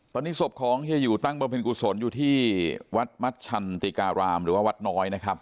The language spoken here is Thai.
ตอนนี้ศพของเฮียอยู่ตั้งบำเพ็ญกุศลอยู่ที่วัดมัชันติการามหรือว่าวัดน้อยนะครับ